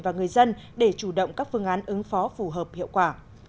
và người dân để chủ động các phương án ứng phó phù hợp hiệu quả